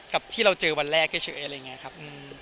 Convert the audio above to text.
กับที่เราเจอวันแรกเฉยอะไรอย่างนี้ครับ